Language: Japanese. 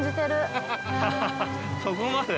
そこまで？